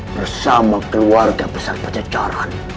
bersama keluarga besar pajajaran